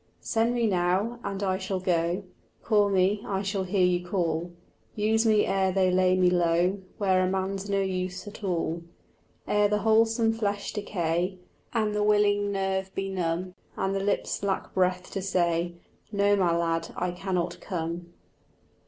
Send me now, and I shall go; Call me, I shall hear you call; Use me ere they lay me low Where a man's no use at all; Ere the wholesome flesh decay, And the willing nerve be numb, And the lips lack breath to say, "No, my lad, I cannot come."